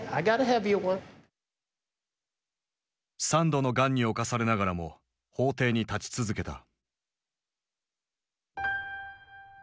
３度のがんに侵されながらも法廷に立ち続けた。